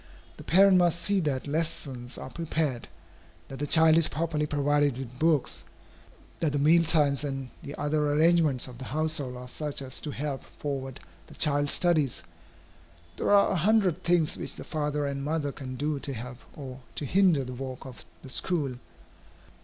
The parent must see that lessons are prepared, that the child is properly provided with books, that the meal times and the other arrangements of the household are such as to help forward the child's studies. There are a hundred things which the father and mother can do to help or to hinder the work of the school.